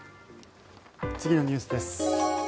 次のニュースです。